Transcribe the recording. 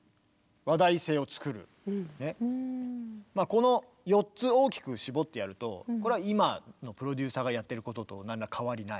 この４つ大きく絞ってやるとこれは今のプロデューサーがやってることと何ら変わりない。